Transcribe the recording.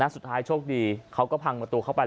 สุดท้ายโชคดีเขาก็พังประตูเข้าไป